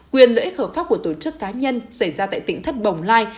quyền lợi ích hợp pháp của tổ chức cá nhân xảy ra tại tỉnh thất bồng lai